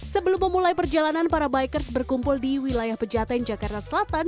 sebelum memulai perjalanan para bikers berkumpul di wilayah pejaten jakarta selatan